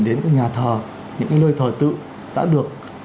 đến nhà thờ những nơi thờ tự đã được